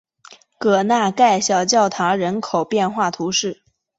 戈纳盖小教堂人口变化图示